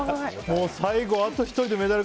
最後、あと１人でね